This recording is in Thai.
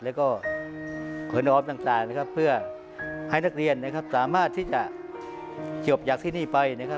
และก็เพลินออภต่างเพื่อให้นักเรียนสามารถที่จะหยบอย่างที่นี่ไป